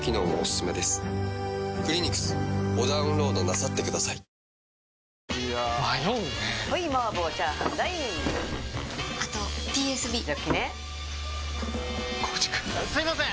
すいません！